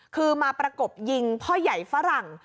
คือมาประกบยิงพ่อใหญ่ฝรั่ง